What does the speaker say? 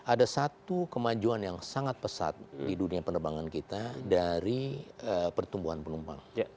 ada satu kemajuan yang sangat pesat di dunia penerbangan kita dari pertumbuhan penumpang